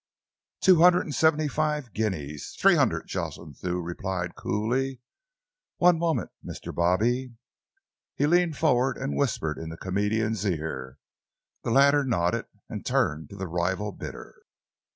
"Two hundred and seventy five guineas." "Three hundred," Jocelyn Thew replied coolly. "One moment, Mr. Bobby." He leaned forward and whispered in the comedian's ear. The latter nodded and turned to the rival bidder.